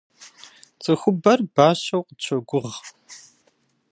Цӏыхубэр бащэу къытщогугъ.